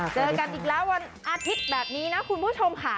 เจอกันอีกแล้ววันอาทิตย์แบบนี้นะคุณผู้ชมค่ะ